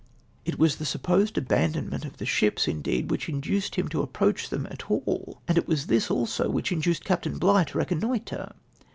" It was the supposed abandonment of the ships, indeed, which induced him to approach them at all, and it was this also Avhich induced Capt. Bligh to reconnoitre.